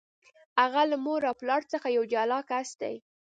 هغه له مور او پلار څخه یو جلا کس دی.